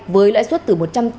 với lãi suất từ một trăm tám mươi